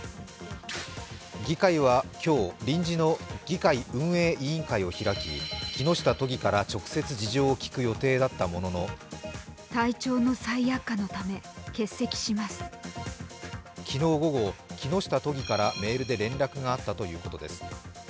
議会は今日、臨時の議会運営委員会を開き、木下都議から直接事情を聴く予定だったものの昨日午後、木下都議からメールで連絡があったということです。